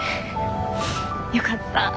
よかった。